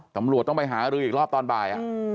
ตำรวจต้องไปหารืออีกรอบตอนบ่าย